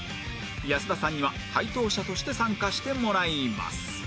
安田さんには解答者として参加してもらいます